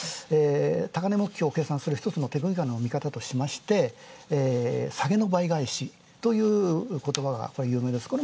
高値目標を計算する１つの見方としまして下げのばいがえし、という言葉が有名です